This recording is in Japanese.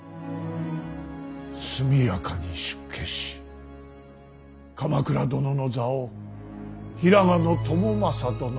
速やかに出家し鎌倉殿の座を平賀朝雅殿に譲る。